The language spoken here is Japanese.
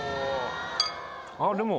あっでも。